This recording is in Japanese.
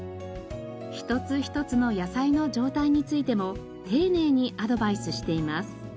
一つ一つの野菜の状態についても丁寧にアドバイスしています。